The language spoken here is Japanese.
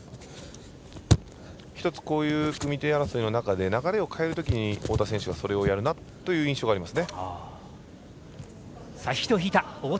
こういう組み手争いのとき流れを変えるときに太田選手はそれをやる印象があります。